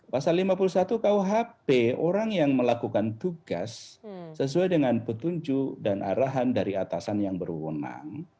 pasal lima puluh satu kuhp orang yang melakukan tugas sesuai dengan petunjuk dan arahan dari atasan yang berwenang